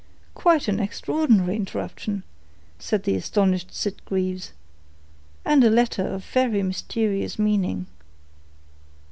"Quite an extraordinary interruption," said the astonished Sitgreaves, "and a letter of very mysterious meaning."